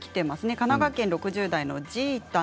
神奈川県６０代の方です。